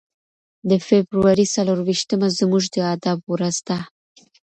د فبرورۍ څلور ویشتمه زموږ د ادب ورځ ده.